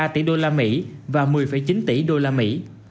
hai mươi bốn hai mươi ba tỷ đô la mỹ và một mươi chín tỷ đô la mỹ